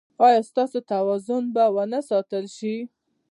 ایا ستاسو توازن به و نه ساتل شي؟